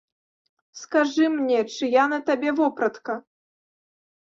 Скажы мне, чыя на табе вопратка?